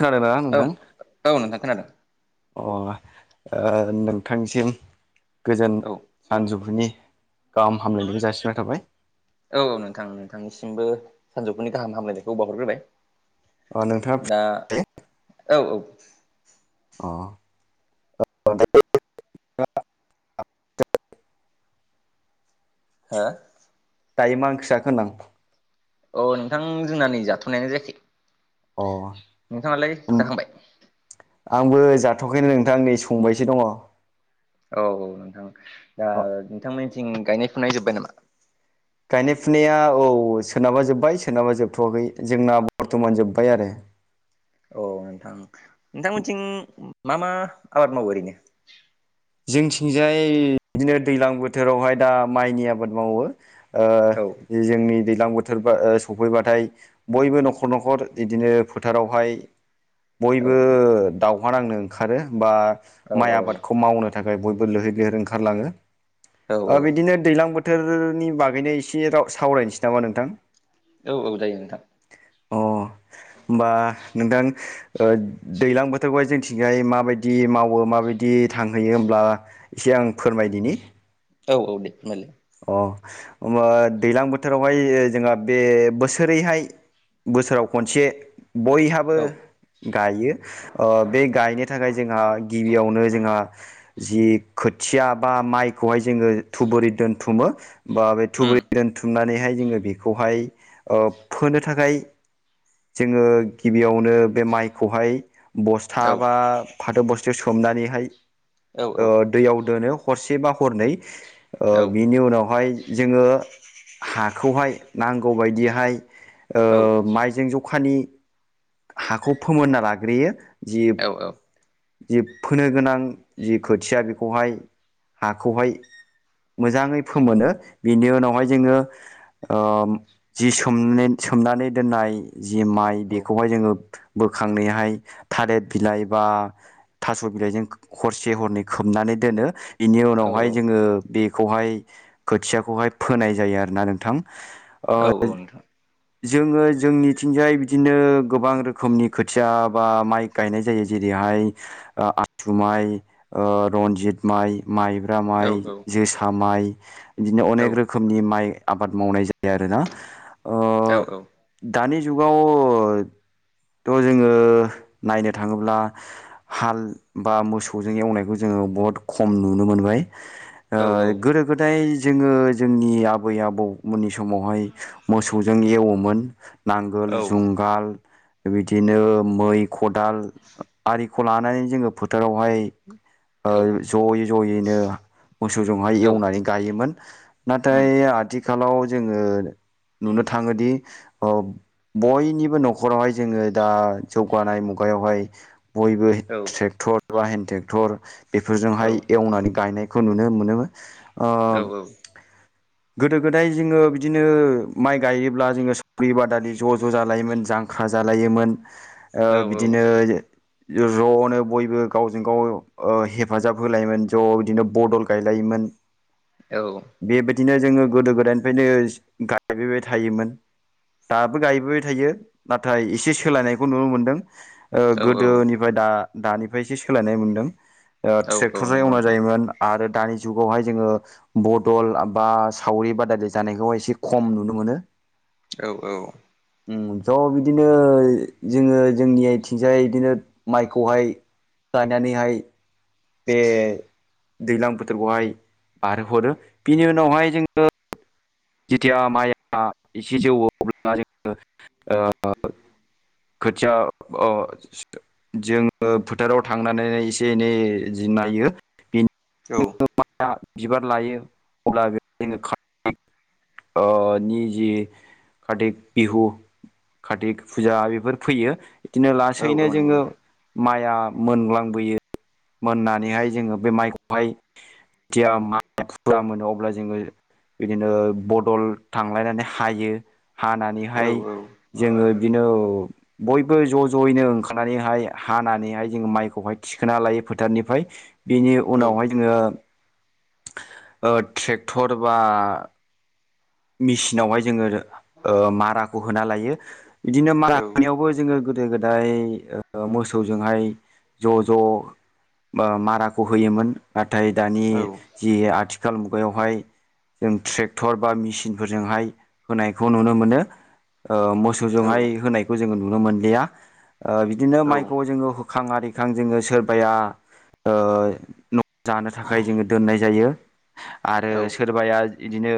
खोनादों ना औ नोंथां? औ नोंथां खोनादों अ नोंथांसिम गोजोन औ सानजौफुनि गाहाम हामलायनायखौ जासिननाय थाबाय औ औ नोंथां नोंथांनिसिमबो सानजौफुनि गाहाम हामलायनायखौ बाहरग्रोबाय अ नोंथाङा दा औ औ अ [unintelligible] हा [unintelligible] दायो मा ओंख्रि जाखो होनदां औ नोंथां जोंना नै जाथ'नायानो जायाखै अ नोंथाङालै जाखांबाय आंबो जाथ'खैनो नोंथां नै संबायसो दंङ औ औ नोंथां दा नोंथांमोननिथिं गायनाय फुनाय जोब्बाय नामा गायनाय फुनाया औ सोनाबा जोब्बाय सोरोनाबा जोबथ'वाखै जोंना बर्थ'मान जोब्बाय आरो औ नोंथां नोंथांमोनथिं मा मा आबाद मावो ओरैनो जोंथिंजाय बिदिनो दैज्लां बोथोरावहाय दा माइनि आबाद मावो औ जोंनि दैज्लां बोथोरा सफैबाथाय बयबो न'खर न'खर बिदिनो फोथारावहाय औ बयबो दावहा नांनो ओंखारो बा औ माइ आबादखौ मावनो थाखाय बयबो लैहोर लैहोर ओंखारलाङो औ बिदिनो दै्लां बोथ बोथोरनि बागैनो एसे सावरायनोसै नामा नोंथां औ औ जायो नोंथां अ हमबा नोंथां ओ दैज्लां बोथोरखौहाय जोंथिंहाय माबायदि मावो माबायदि थांङो होयो होमब्ला एसे आं फोरमायदिनि औ औ दे ओमबालाय अ हबा दैज्लां बोथोरावहाय जोंहा बे बोसोरैहाय बोसोराव खनसे बयहाबो औ ओ गायो बे गायनो थाखाय जोंहा गिबियावनो जोंहा जि खोथिया बा माइखौहाय जोंङो थुबुरै दोन बुथुमो बा बे उम थुबुरै दोनथुमनानैहाय जोंङो बेखौहाय ओ फोनो थाखाय जोंङो गिबियावनो बे माइखौहाय औ बस्था बा फाथो बस्थि सोमनानैहाय औ औ दैयाव दोनो हरसेबा हरनै बेनि उनावहाय जोंङो हाखौहाय नांगौबायदिहाय ओ माइजों जखानि हाखौ फोमोनना लाग्रोयो जि औ औ जि फोनो गोनां जि खोथिया बेखौहाय हाखौहाय मोजाङै फोमोनो बिनि उनावहाय जोङो। ओ जि सोम सोमनानै दोननाय। जि माइ औ बेखौहाय जोङो बोखांनायहाय थालिर बिलाइ बा थास' बिलाइजों हरसे हरनै खोबनानै दोनो इनि औ उनावहाय औ जोङो। बेखौहाय खोथियाखौहाय फोनाय जायो आरोना नोंथां। औ [unintelligible] नोंथां जोङो जोंनिथिंजाय बिदिनो गोबां रोखोमनि खोथिया बा माइ गायनाय जायो जेरैहाय। आससु माइ ओ रन्जित माइ माइब्रा औ माइ जोसा माइ बिदिनो औ अनेक रोखोमनि माइ आबाद मावनाय जायो आरो ना ओ। औ दानि जुगावथ' जोङो नायनो थाङोब्ला हाल बा मोसौजों एवनायखौ जोङो बहुत खम नुनो मोनबाय। गोदो गोदाय जोङो जोंनि आबै आबौमोननि समावहाय मोसौ जों एवोमोन नांगोल औ जुं गाल बिदिनो मै खदाल खौ लानानै जोङो फोथारावहाय औ ज'यै ज'यैनो मोसौजोंहाय औ एवनानै गायोमोन। उम नाथाय आथिखालाव जोङो नुनो थाङोदि बयनिबो न'खरावहाय जोङो दा जौगानाय मुगायावहाय बयबो औ ट्रेक्टर बा हेन्द ट्रेक्टर औ बेफोरजोंहाय एवनानै गायनाय खौ नुनो मोनो। औ गोदो गोदाय जोङो बिदिनो माइ गायोब्ला जोङो सि बादालि ज' ज' जालायोमोन जां खा जालायोमोन बिदिनो ज'नो बयबो गावजों गाव हेफाजाब होलायोमोन ज' बिदिनो बदल गायलायोमोन। औ। बेबायदिनो जोङो गोदो गोदायनिफ्रायनो गायबोबाय थायोमोन। दाबो गायबोबाय थायो नाथाय एसे सोलायनायखौ नुनो मोनदों गोदोनि ओमफ्राय दा दानिफ्राय एसे सोलायनाय मोन्दों औ औ ट्रेक्टरजों नंगौ एयनाय नोंथां जायोमोन। आरो दानि जुगावहाय जोङो बदल बा सावरि बादायलाय जानायखौ एसे खम नुनो मोनो। औ औ। उम ज' बिदिनो जोङो जोंनि आथिंजाय बिदिनो माइखौहाय गायनानैहाय बे दैज्लां बोथोरखौहाय बारहोहरो बिनि उनावहाय जोङो जेथिया माइआ एसे जौवौ अब्ला जोङो ओ खोथिया जोङो फोथाराव थांनानै एसे एनै जि नायो बेनि औ। बिबार लायो अब्ला [unintelligible] निजि कारतिक बिहु कार्तिक फुजा बेफोर फैयो। बिदिनो औ नंगौ नोंथां औ लासैनो जोङो माइआ मोनलांबोयो। मोननानैहाय जोङो बे माइखौहाय जेथिया माइ फुुरा मोनो अब्ला जोङो बिदिनो बदल थांलायनानै हायो हानानैहाय जोङो बिदिनो बयबो ज' ज'यैनो ओंखारनानैहाय हानानैहाय जों माइखौहाय थिखोना लायो फोथारनिफ्राय बेनि उनावहाय जोङो ट्रेक्टर बा मेसिनावहाय जोङो माराखौ होना लायो बिदिनो मारा होनायावबो जोङो गोदो गोदाय मोसौजोंहाय ज' ज' माराखौ होयोमोन। नाथाय दानि जि आथिखाल मुगायावहाय जों ट्रेक्टर बा मिसिन फोरजोंहाय होनायखौ नुनो मोनो ओ मोसौजोंहाय होनाय जोङो नुनो मोनला बिदिनो माइखौ जोङो खां आरिखां जोङो सोरबाया ओ जानो थाखाय जोङो दोननाय जायो आरो सोरबाया इदिनो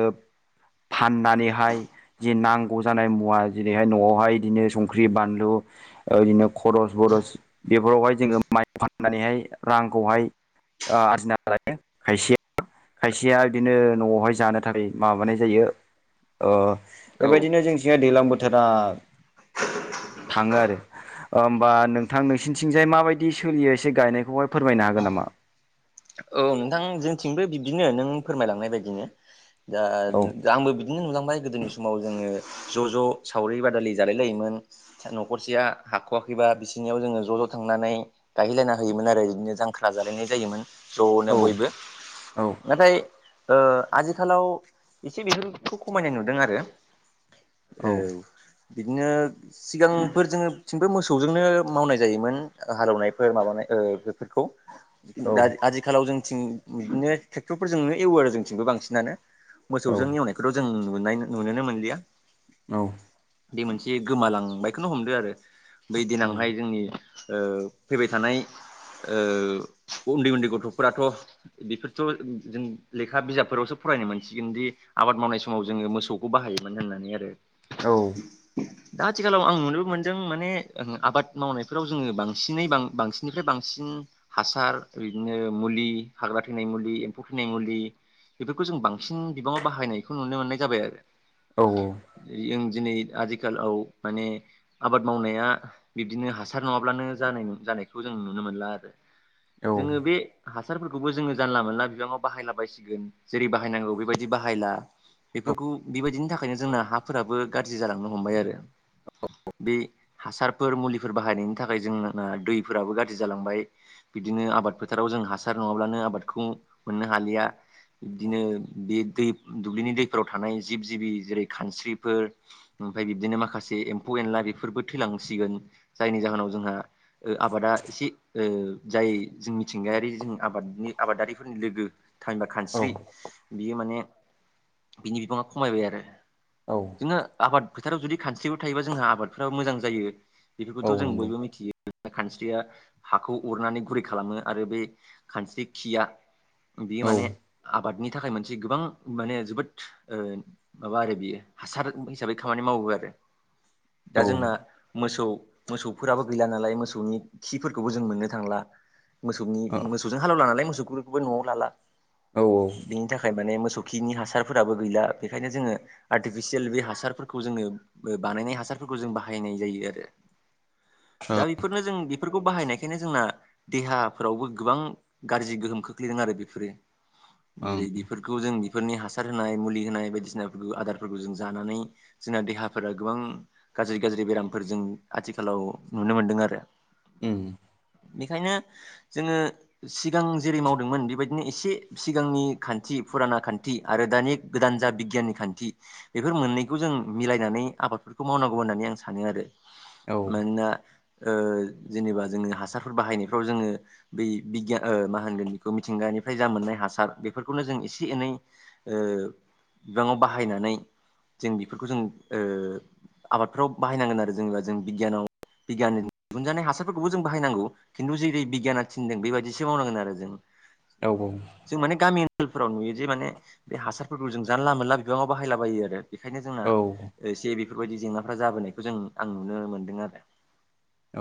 फाननानैहाय जि नांगौ जानाय मुवा जेरैहाय न'आवहाय बिदिनो संख्रि बानलु ओरदिनो खरस बरस बेफोरावहाय जोङो माइ [unintelligible] होननानैहाय रांखौहाय आरजिना लायो। खायसेया खायसेया बिदिनो न'आवहाय जानो थाखाय माबानाय जायो। अ औ औ बेबायदिनो जोंनिथिंहाय दैलां बोथ [unintelligible] थाङो आरो ओमबा नोंथां नोंसिनिथिंजाय माबायदि दि सोलियो एसे गायनायखौहाय फोरमायनो हागोन नामा? औ नोंथां जोंथिंबो बिबदिनो नों फोरमायलांनाय बायदिनो दा औ दा आंबो बिदिनो नुलांबाय गोदोनि समाव जोङो ज' ज' सावरि बादालि जालाय लायोमोन। न'खरसेया हाख'वाखैबा बिसोरनियाव जोङो ज' ज' थांनानै गायहैलायना होयोमोन आरो बिदिनो। जांख्रा जालायनाय जायोमोन ज'नो बयबो। औ नाथाय ओ आजिखालाव एसे बेफोरखौ खमायनाय नुदों आरो। [inaudible] औ बिदिनो सिगांफोर जोङोथिंबो मोसौजोंनो मावनाय जायोमोन हालेवनायफोर माबानाय ओ बेफोर खौ औ दा आथिखालाव जों दिन बिदिनो ट्रेक्टर फोरजोंनो एवो आरो जोंथिंबो बांसिनानो औ मोसौजों एवनाय खौथ' जों नुनाय नुनोनो मोनलिया। औ। बे मोनसे गोमालांबायखौनो हमदो आरो बै औ दिनावहाय जोंनि ओ फैबाय थानाय ओ उन्दै उन्दै गथ'फोराथ' बेफोरथ' जों लेखा बिजाबफोरावसो फरायनो मोनसिगोनदि आबाद मावनाय समाव जोङो मोसौ खौ बाहायोमोन होननानै आरो। औ। दा आथिखालाव आं नुनो मोनदों माने आबाद मावनायफोराव जोङो बांसिनै बां-बांसिननिफ्राय बांसिन बांसिन हासार बिदिनो मुलि हाग्रा थैनाय मुलि एम्फौ थैनाय मुलि बेफोरखौ जों बांसिन बिबाङाव बाहायनायखौ नुनो मोननाय जाबाय आरो। औ औ। जों दिनै आजिखालाव माने आबाद मावनाया बिब्दिनो हासार नङाब्लानो जानाय-जानायखौ जों नुनो नुनो मोनला आरो। जोङो बे हासारफोरखौबो जोङो जानला मोनला बिबाङाव बाहायलाबायसिगोन जेरै बाहायनांगौ बेबायदि बाहायला। बेफोरखौ बेबायदिनि थाखायनो जोंना हाफोराबो गारजि जालांनो हमबाय आरो। बे हासारफोर मुलिफोर बाहायनायनि थाखाय जोंना दैफोराबो गार जि जालांबाय बिदिनो आबाद फोथाराव जों हासार नङाब्लानो आबादखौ मोननो हालिया। बिदिनो बे दै दुब्लिनि दैफोराव थानाय जिब जिबि जेरै खानस्रिफोर ओमफ्राय बिब्दिनो माखासे एम्फौ एनला बेफोरबो थैलांसिगोन जायनि जाहोनाव जोंहा ओ आबादा एसे ओ जाय जों मिथिंगायारि जों आबादनि आबादारिफोरनि लोगो होनबा खानस्रि औ बियो माने बिनि बिबाङा खमायबाय आरो। औ। बिदिनो आबाद फोथाराव जुदि खानस्रिबो थायोबा जोंहा आबादफ्राबो मोजां जायो औ बेफोरखौथ' जों नंगौ बयबो मिथियो। खानस्रिया हाखौ अरनानै गुरै खालामो आरो बे खानस्रि खिया बियो औ माने आबादनि थाखाय मोनसे गोबां माने जोबोद ओ माबा आरो बियो हासार हिसाबै खामानि मावो आरो। दा जोंना मोसौ मोसौफोराबो गैला नालाय मोसौनि। खिफोरखौबो जों मोननो थांला औ मोसौनि मोसौजों हालेवला नालाय मोसौ खौबो न'आव लाला। औ बेनि थाखाय माने मोसौ खिनि हासारफोराबो गैला बेखायनो जोङो। आर्टिफिसियेल बे हासारफोरखौ जोङो ओ बानायनाय हासारफोरखौ जों बाहायनाय जायो आरो। दा बेफोरनो जों बेफोरखौ बाहायनायखायनो जोंना देहाफोरावबो गोबां गाज्रि गोहोम खोख्लैदों आरो बेफोरो। जेरै ओं उम बेफोर खौ जों बेफोरनि हासार होनाय मुलि होनाय बायदिसिनाफोरखो आदारफोरखो जों जानानै जोंना देहाफोरा गोबां गाज्रि गाज्रि बेरामफोर जों आथिखालाव नुनो मोनदों आरो। उम। बेखायनो जोङो। सिगां जेरै मावदोंमोन बेबायदिनो एसे सिगांनि खान्थि फुराना खान्थि आरो दानि। गोदान जा बिगियाननि खान्थि। बेफोर मोननैखौ जों मिलायनानै आबादफोरखौ मावनांगौ होननानै आं सानो आरो। औ मोनना ओ जेनेबा जोङो हासारफोर बाहायनायफ्राव जोङो। बै बिगियान ओ मा होनगोन बेखौ मिथिंगानिफ्राय जा मोननाय हासार बेफोरखौनो जों एसे एनै। ओ बिबां बाहायनानै जों बेफोरखौ जों ओ। आबादफ्राव बाहायनांगोन आरो जेनेबा जों बिगियानाव बिगियाननि दिहुन जानाय हास फोरफोरखौबो जों बाहायनांगौ खिन्थु जेरै बिगियाना थिनदों बेबायदिसो मावनांगोन आरो जों। औ औ। जों माने गामि ओनसोलफोराव नुयो जे माने बे हासारफोरखौ जों जानला मोनला बिबाङाव बाहायलाबायो आरो। बेखायनो जोंना औ ओ एसे बेफोरबायदि जेंनाफ्रा जाबोनायखौ जों आं नुनो मोनदों आरो।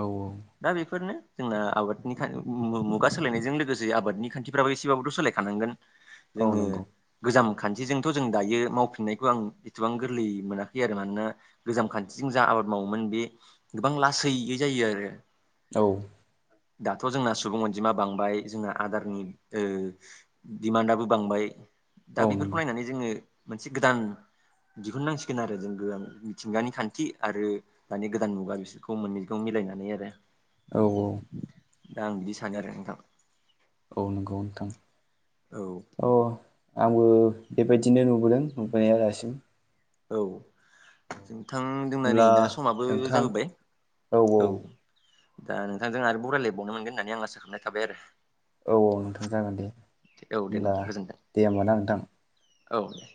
औ औ। दा बेफोरनो जोंना आबादनि मुगा सोलायनायजों लोगोसे आबादनि खान्थिफ्राबो एसेबाबोथ' सोलायखानांगोन। [inaudible] जोङो। गोजाम खान्थिजोंथ' जों दायो मावफिननायखौ आं एसेबां गोरलै मोनाखै आरो मानोना। गोजाम खान्थिजों जा आबाद मावोमोन बे गोबां लासैयै जायो आरो। औ। दाथ' जोंना सुबुं अनजिमा बांबाय जोंना आदारनि ओ। दिमान्डआबो बांबाय औ दा नंगौ बेफोरखौ नायनानै जोङो मोनसे गोदान। दिहुननांसिगोन आरो जों गोबां मिथिंगानि खान्थि आरो। दानि गोदान मुगा बिसोरखौ मोननैगाव मिलायनानै आरो। औ औ। दा आं बिदि सानो आरो नोंथां। औ नंगौ नोंथां औ अ आंबो बेबायदिनो नुबोदों नुबोनाया दासिम। औ नोंथां जोंनानै होमब्ला दा समाबो नोंथां जाबोबाय औ। दा नोंथांजों आरो बरायलायबावनो मोनगोन होननानै आं आसा खालामनाय थाबाय आरो। औ औ नोंथां जागोन दे औ दे होमब्ला नोंथां गोजोन्थों दे होमब ना नोंथां। औ दे।